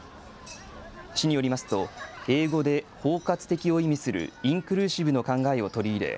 市によりますと英語で包括的を意味するインクルーシブの考えを取り入れ